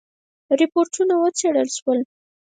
رپوټونه وڅېړل شول.